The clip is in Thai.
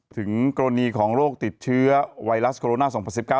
ถึงกรณีของโรคติดเชื้อไวรัสโคโรนาสองพันสิบเก้า